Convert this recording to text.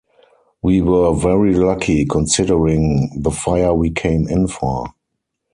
We were very lucky considering the fire we came in for.